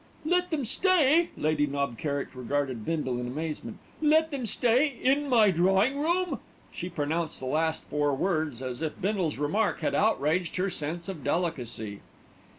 "Let them stay!" Lady Knob Kerrick regarded Bindle in amazement. "Let them stay in my drawing room!" She pronounced the last four words as if Bindle's remark had outraged her sense of delicacy.